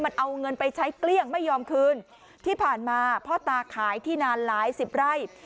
มันเอาเงินไปใช้เกลี้ยงไม่ยอมคืนที่ผ่านมาพ่อตาขายที่นานหลายสิบไร่